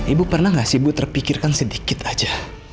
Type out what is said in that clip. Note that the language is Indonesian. ibu pernah nggak sih ibu terpikirkan sedikit aja